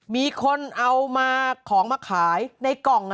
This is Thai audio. มีคนเอามาของมาขายในกล่อง